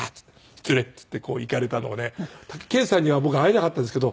「失礼」って言って行かれたので健さんには僕会えなかったですけど。